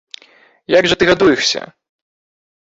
Як жа ты гадуешся?